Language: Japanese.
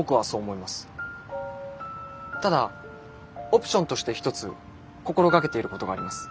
ただオプションとして一つ心がけていることがあります。